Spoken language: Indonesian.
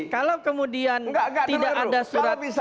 kalau kemudian tidak ada surat